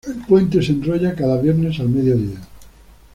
El puente se enrolla cada viernes al mediodía.